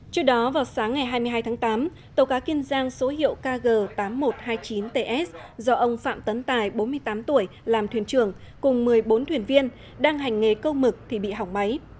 trước đó vào sáng ngày hai mươi hai tháng tám tàu cá kiên giang số hiệu kg tám nghìn một trăm hai mươi chín ts do ông phạm tấn tài bốn mươi tám tuổi làm thuyền trưởng cùng một mươi bốn thuyền viên đang hành nghề câu mực thì bị hỏng máy